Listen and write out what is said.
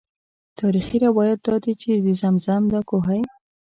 تاریخي روایات دادي چې د زمزم دا کوهی.